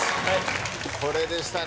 これでしたね。